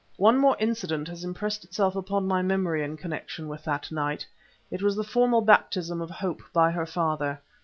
One more incident has impressed itself upon my memory in connection with that night. It was the formal baptism of Hope by her father.